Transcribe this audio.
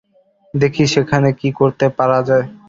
দেখি, সেখানে কি করতে পারা যায়।